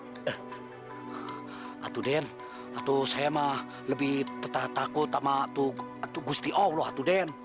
eh itu den itu saya mah lebih takut sama itu itu gusti allah itu den